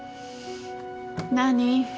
何？